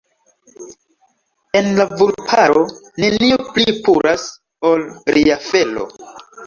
En la vulparo, nenio pli puras ol ria felo.